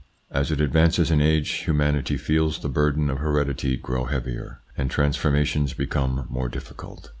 As it advances in age, humanity feels the burden of heredity grow heavier, and transformations become more difficult.